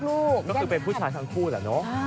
ก็คือเป็นผู้ชายทั้งคู่แหละเนอะ